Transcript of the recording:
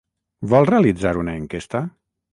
Vol realitzar una enquesta?